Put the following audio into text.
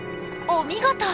お見事！